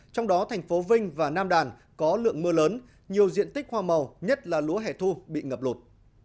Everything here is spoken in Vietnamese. trong đó thành phố vinh và nam đàn có lượng mưa lớn nhiều diện tích hoa màu nhất là lúa hẻ thu bị ngập lụt